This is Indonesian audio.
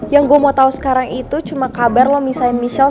yang gue mau tahu sekarang itu cuma kabar loh misain michelle